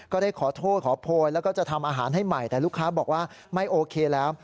ก็ได้ขอโทษขอโพยแล้วก็จะทำอาหารให้ใหม่แต่ลูกค้าบอกว่าไม่โอเคแล้ว